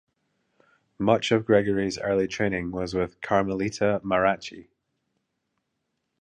Much of Gregory's early training was with Carmelita Maracci.